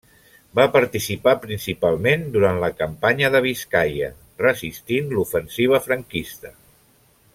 Va participar principalment durant la campanya de Biscaia, resistint l'ofensiva franquista.